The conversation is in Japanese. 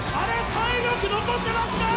体力残ってますか？